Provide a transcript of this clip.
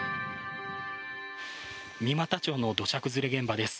三股町の土砂崩れ現場です。